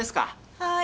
はい。